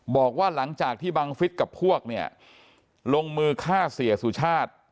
บอกว่าหลังจากที่บังฟิศกับพวกเนี่ยลงมือฆ่าเสียสุชาติ